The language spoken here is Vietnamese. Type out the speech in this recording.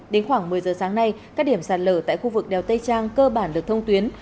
đến khoảng một mươi giờ sáng nay các điểm sạt lở tại khu vực đèo tây trang cơ bản được thông tuyến